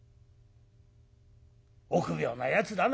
「臆病なやつだな」。